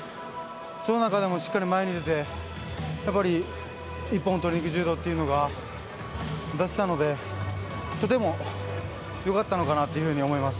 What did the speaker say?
その中でもしっかり前に出て一本を取りにいく柔道が出せたのでとても良かったのかなと思います。